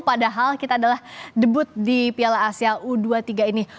padahal kita adalah debut di piala asia u dua puluh tiga ini